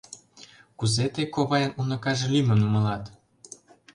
Кузе тый ковайын уныкаже лӱмым нумалат?